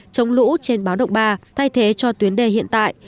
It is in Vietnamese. chống lũ trên báo động ba thay thế cho tuyến đê hiện tại